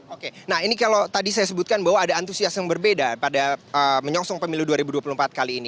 oke nah ini kalau tadi saya sebutkan bahwa ada antusias yang berbeda pada menyongsong pemilu dua ribu dua puluh empat kali ini